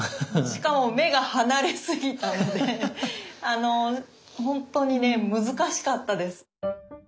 しかも目が離れすぎたので本当にね難しかったです。